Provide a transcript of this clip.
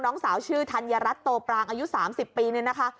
น้องสาวชื่อธัญรัฐโตปรางอายุ๓๐ปีเนี่ยนะคะ